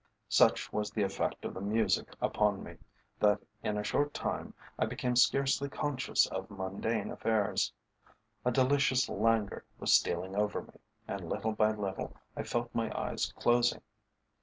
Such was the effect of the music upon me, that in a short time I became scarcely conscious of mundane affairs. A delicious languor was stealing over me, and little by little I felt my eyes closing.